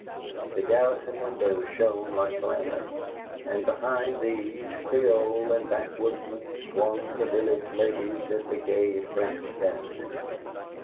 The garrison windows shone like lanterns, and behind these Creole and backwoodsman swung the village ladies in the gay French dances.